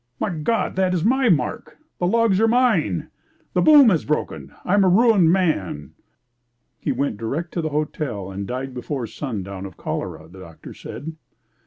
My God, that is my mark! the logs are mine! My boom has broken! I am a ruined man." He went direct to the hotel and died before sun down of cholera, the Doctor said.